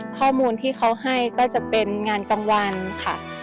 กานที่ให้ก็จะเป็นงานกลางวันค่ะ